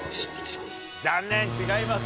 残念違います！